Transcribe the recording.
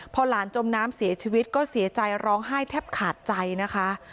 พอหลานจมน้ำเสียชีวิตก็เสียใจร้องไห้แทบขาดใจนะคะ